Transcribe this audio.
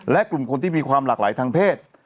และกลุ่มคนที่มีความหลากหลายทางเพศ